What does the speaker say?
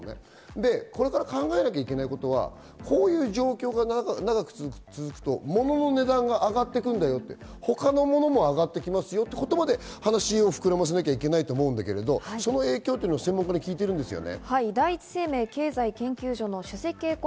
これから考えなきゃいけないことはこういう状況が長く続くと、ものの値段が上がってくるんだよと、他のもの上がってきますよということまで話を膨らませなきゃいけないと思うんですけれども、その影響を専門家に聞いているんですよね。